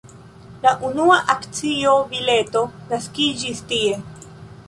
La unua akcio-bileto naskiĝis tie.